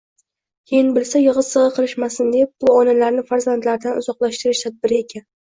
Keyin bilsa, yigʻi-sigʻi qilishmasin deb, bu onalarni farzandlaridan uzoqlashtirish “tadbiri”ekan.